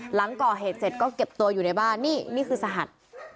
หลังก่อเหตุเสร็จก็เก็บตัวอยู่ในบ้านนี่นี่คือสหัส